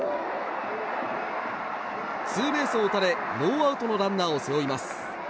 ツーベースを打たれノーアウトのランナーを背負います。